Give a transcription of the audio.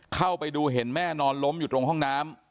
เข้าไปดูเห็นแม่นอนล้มอยู่ตรงห้องน้ำ